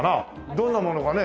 どんなものかね。